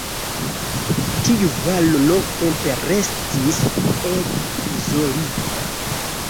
Tiu valo longtempe restis ege izolita.